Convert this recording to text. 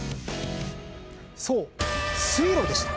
そう水路でした。